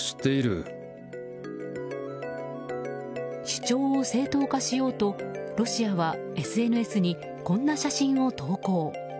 主張を正当化しようとロシアはＳＮＳにこんな写真を投稿。